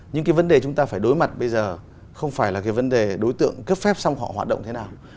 những cái vấn đề chúng ta phải đối mặt bây giờ không phải là cái vấn đề đối tượng cấp phép xong họ hoạt động thế nào